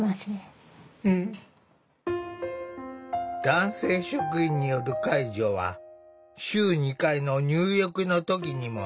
男性職員による介助は週２回の入浴の時にも。